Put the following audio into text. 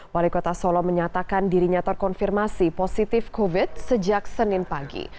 wali kota solo menyatakan dirinya terkonfirmasi positif covid sejak senin pagi